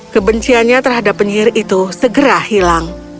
kebenciannya terhadap penyihir itu segera hilang